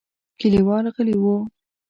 کليوال غلي وو.